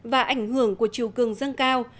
và ảnh hưởng của chiều cường dâng cao